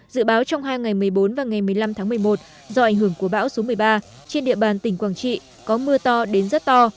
dự báo trong hai ngày một mươi bốn và ngày một mươi năm tháng một mươi một do ảnh hưởng của bão số một mươi ba trên địa bàn tỉnh quảng trị có mưa to đến rất to